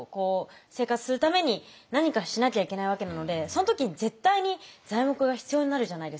生活するために何かしなきゃいけないわけなのでその時に絶対に材木が必要になるじゃないですか。